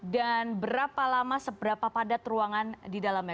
dan berapa lama seberapa padat ruangan di dalamnya